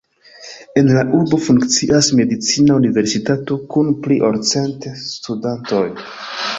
En la urbo funkcias medicina universitato kun pli ol cent studantoj.